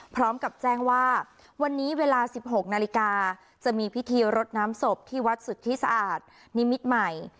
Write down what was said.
พร้อมกับแจ้งว่าวันนี้เวลา๑๖นาฬิกาจะมีพิธีรดน้ำศพที่วัดสุทธิสะอาดนิมิตรใหม่